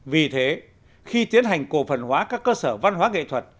vì thế khi tiến hành cổ phần hóa các cơ sở văn hóa nghệ thuật